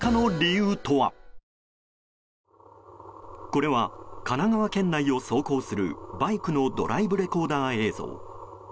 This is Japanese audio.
これは、神奈川県内を走行するバイクのドライブレコーダー映像。